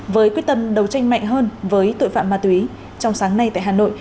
với quyết tâm đấu tranh mạnh hơn với tội phạm ma túy trong sáng nay tại hà nội